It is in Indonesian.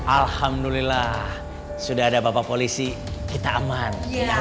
alhamdulillah sudah ada bapak polisi kita aman